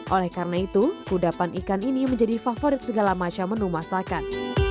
oleh karena itu kudapan ikan ini menjadi favorit segala macam menu masakan